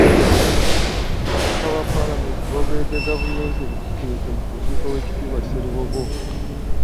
Ababaka ba Paalamenti boogeredde gavumenti ebikikinike mu kuziika oweekitiibwa Sserubogo